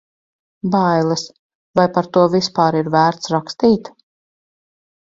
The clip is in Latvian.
Bailes – vai par to vispār ir vērts rakstīt?